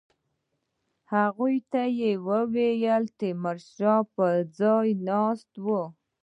هغوی ته یې وویل تیمورشاه به ځای ناستی وي.